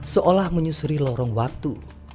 seolah menyusuri lorong waktu